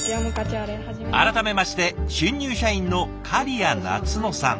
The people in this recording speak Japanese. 改めまして新入社員の狩屋なつ乃さん。